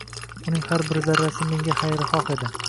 Uning har bir zarrasi senga xayrixoh edi.